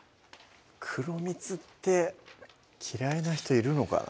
黒蜜って嫌いな人いるのかな？